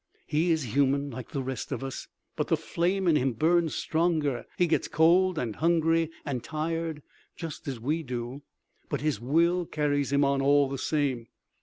"He is human like the rest of us, but the flame in him burns stronger. He gets cold and hungry and tired just as we do, but his will carries him on all the same."